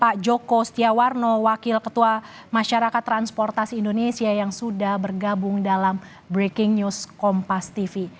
pak joko setiawarno wakil ketua masyarakat transportasi indonesia yang sudah bergabung dalam breaking news kompas tv